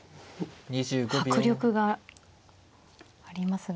迫力がありますが。